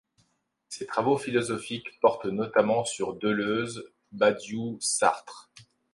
Ses travaux philosophiques portent notamment sur Deleuze, Badiou, Sartre.